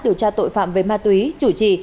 điều tra tội phạm về ma túy chủ trì